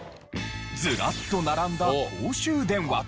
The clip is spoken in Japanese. ずらっと並んだ公衆電話。